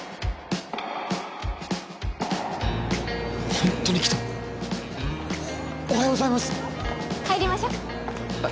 ホントに来たおはようございます入りましょ